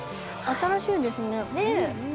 新しいですね。